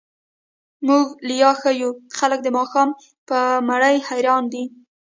موږ ليا ښه يو، خلګ د ماښام په مړۍ هريان دي.